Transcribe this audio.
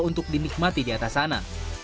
untuk dinikmati di atas sana